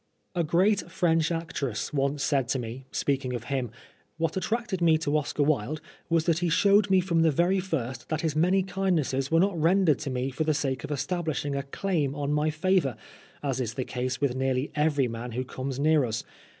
A great French actress once said to me, speaking of him, " What attracted me to Oscar Wilde was that he showed me from the very first that his many kindnesses were not rendered to me for the sake of establishing a claim on my favour, as is the case with nearly every man who comes near us.